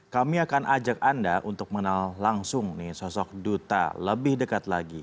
kami akan ajak anda untuk mengenal langsung nih sosok duta lebih dekat lagi